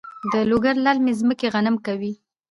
د لوګر للمي ځمکې غنم کوي؟